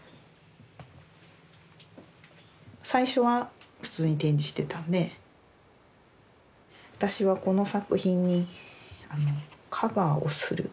最初は普通に展示してたんで私はこの作品にカバーをするってことしたんです。